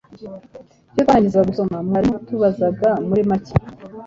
iyo twarangizaga gusoma mwarimu yatubazaga muri make